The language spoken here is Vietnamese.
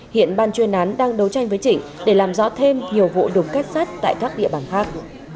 hiện ban chuyên án đang đấu tranh với trịnh để làm rõ thêm nhiều vụ đục kết sát tại các địa bàn khác